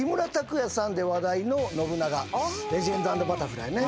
『レジェンド＆バタフライ』ね。